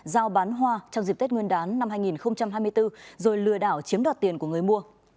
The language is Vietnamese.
giao bán hoa trong dịp tết nguyên đán năm hai nghìn hai mươi bốn rồi lừa đảo chiếm đoạt tiền của người mua